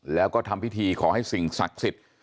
แล้วก็ทำพิธีขอให้สิ่งศักดิ์สิทธิ์